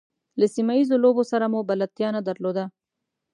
له سیمه ییزو لوبو سره مو بلدتیا نه درلوده.